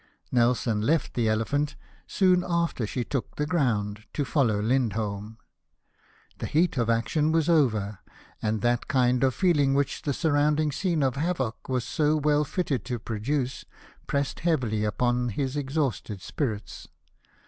Nelson left the Elephant, soon after she took the ground, to follow Lindholm. The heat of action was over; and that kind of feeling which the sur rounding scene of havoc was so well fitted to produce pressed heavily upon his exhausted spirits.